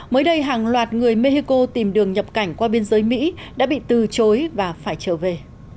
mới đây hàng loạt người mexico tìm đường nhập cảnh qua biên giới mỹ đã bị từ chối và phải trở về